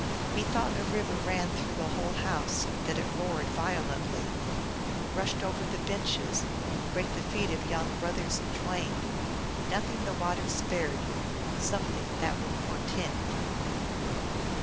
" Methought a river ran Through the whole house, that it roared violently, rushed over the benches, brake the feet of yon brothers twain ; Nothing the water spared ; Something that will portend."